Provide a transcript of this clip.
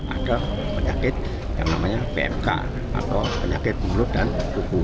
ada penyakit yang namanya pmk atau penyakit mulut dan kuku